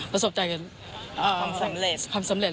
ประสบความสำเร็จ